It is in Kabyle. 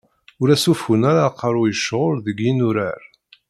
Ur as-ufun ara aqerru i ccwal deg yinurar.